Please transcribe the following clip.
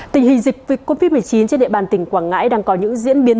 tình hình dịch covid một mươi chín trên địa bàn tỉnh quảng ngãi đang có những diễn biến